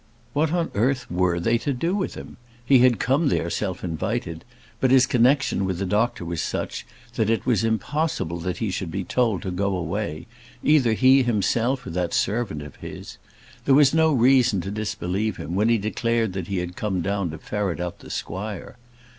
What on earth were they to do with him? He had come there self invited; but his connexion with the doctor was such, that it was impossible he should be told to go away, either he himself, or that servant of his. There was no reason to disbelieve him when he declared that he had come down to ferret out the squire.